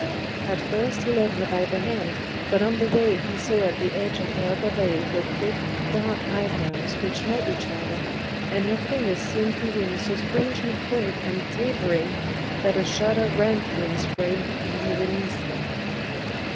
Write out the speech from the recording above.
At first he led her by the hand, but on the way he saw at the edge of her upper veil the thick, dark eyebrows which met each other, and her fingers seemed to him so strangely cold and tapering that a shudder ran through his frame and he released them.